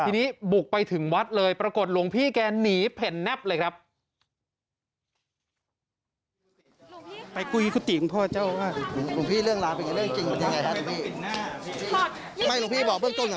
ทีนี้บุกไปถึงวัดเลยปรากฏหลวงพี่แกหนีเผ่นแนบเลยครับ